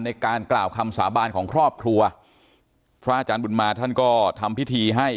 ในการกล่าวคำสาบานของครอบครัวพระอาจารย์บุญมาท่านก็ทำพิธีให้